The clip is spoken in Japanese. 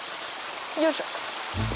よいしょ。